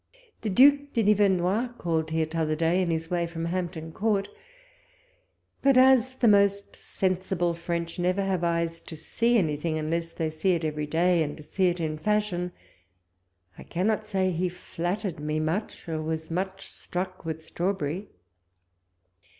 The Due de Nivernois called here the other day in his way from Hamp ton Court ;; but, as the most sensible French never have eyes to see anything, unless they see it every day and see it in fashion, I cannot say 94 walpole's letters. he flattered me much, or was much struck with Strawberry.